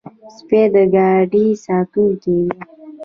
سپي د ګاډي ساتونکي وي.